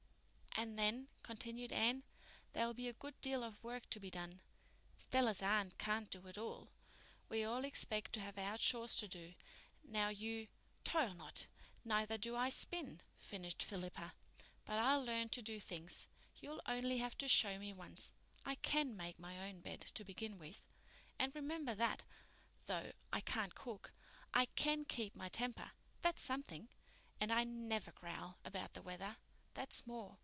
"And then," continued Anne, "there will be a good deal of work to be done. Stella's aunt can't do it all. We all expect to have our chores to do. Now, you—" "Toil not, neither do I spin," finished Philippa. "But I'll learn to do things. You'll only have to show me once. I can make my own bed to begin with. And remember that, though I can't cook, I can keep my temper. That's something. And I never growl about the weather. That's more.